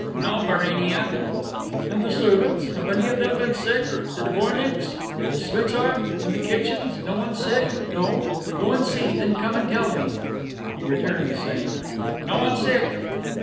"No, Barinia." "And the servants? Have any of them been sick? The dvornicks? The schwitzar? In the kitchens? No one sick? No? Go and see; then come and tell me." He returned, saying, "No one sick."